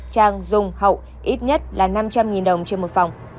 trang dung hậu ít nhất là năm trăm linh đồng trên một phòng